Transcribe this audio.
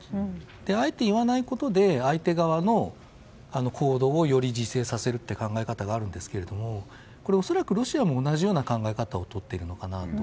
あえて言わないことで相手側の行動をより自制させるという考え方があるんですけどこれ、恐らくロシアも同じような考え方をとっているのかなと。